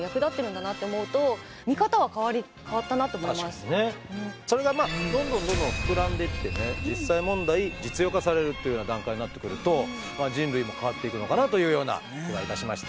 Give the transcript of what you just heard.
確かにね。それがまあどんどんどんどん膨らんでいってね実際問題実用化されるっていうような段階になってくると人類も変わっていくのかなというような気がいたしました。